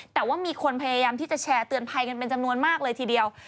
แต่ว่ามีคนพยายามที่จะแชร์เตือนภัยกันเป็นจำนวนมากเลยทีเดียว